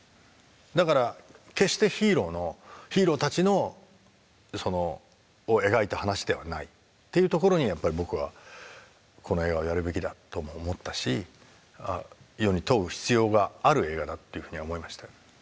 だから決してヒーローのヒーローたちを描いた話ではないっていうところにやっぱり僕はこの映画をやるべきだとも思ったし世に問う必要がある映画だっていうふうに思いましたね。